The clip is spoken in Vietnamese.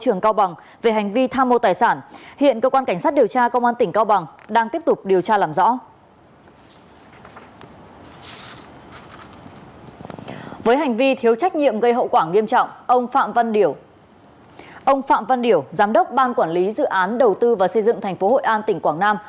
ông phạm văn điểu giám đốc ban quản lý dự án đầu tư và xây dựng tp hội an tỉnh quảng nam